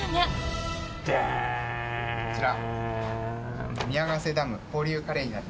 こちら。